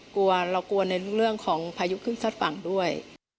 กลัวเรากลัวในเรื่องของพายุขึ้นซัดฝั่งด้วย